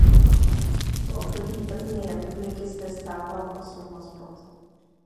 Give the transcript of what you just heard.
V období první republiky zde stávalo osm hospod.